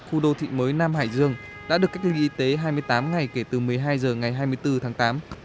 khu đô thị mới nam hải dương đã được cách ly y tế hai mươi tám ngày kể từ một mươi hai h ngày hai mươi bốn tháng tám